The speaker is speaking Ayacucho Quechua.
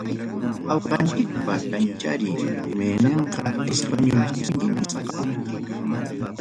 Awqanchikpa kanchariy rimayninqa español simi nisqam.